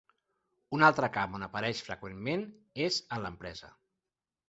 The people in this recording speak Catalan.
Un altre camp on apareix freqüentment és en l'empresa.